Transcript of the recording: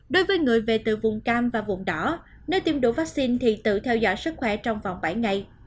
đối với người về từ vùng cam và vùng đỏ nơi tiêm đủ vaccine thì tự theo dõi sức khỏe trong vòng bảy ngày